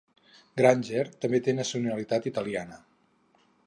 Granger també té nacionalitat italiana.